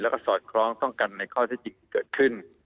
แล้วก็สอดคล้องต้องกันในข้อที่จริงเกิดขึ้น